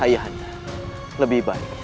ayah anda lebih baik